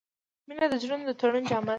• مینه د زړونو د تړون جامه ده.